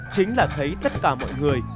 chính là thấy tất cả mọi người